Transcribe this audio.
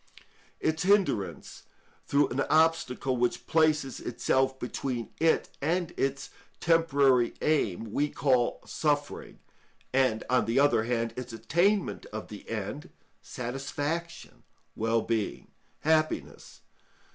Its hindrance through an obstacle which places itself between it and its temporary aim we call suffering, and, on the other hand, its attainment of the end satisfaction, wellbeing, happiness.